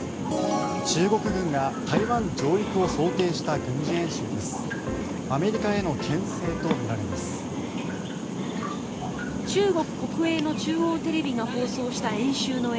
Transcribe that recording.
中国軍が台湾上陸を想定した軍事演習です。